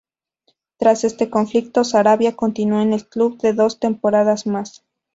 Tras este conflicto, Sarabia continuó en el club dos temporadas más.